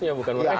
ya bukan mereka